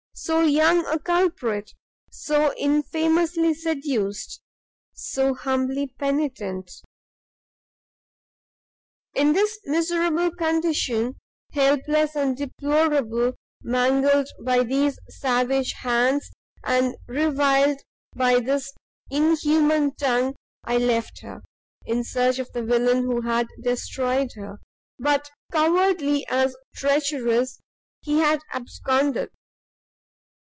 so young a culprit! so infamously seduced! so humbly penitent! "In this miserable condition, helpless and deplorable, mangled by these savage hands, and reviled by this inhuman tongue, I left her, in search of the villain who had destroyed her: but, cowardly as treacherous, he had absconded.